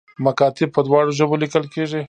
مکاتیب په دواړو ژبو لیکل کیږي